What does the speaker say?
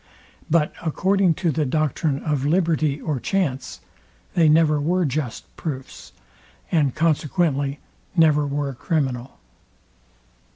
But according to the doctrine of liberty or chance they never were just proofs, and consequently never were criminal.